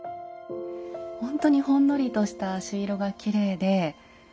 ほんとにほんのりとした朱色がきれいで。